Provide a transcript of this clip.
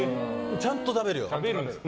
ちゃんと食べるよ。